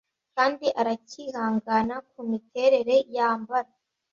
Kandi aracyihangana kumiterere yambara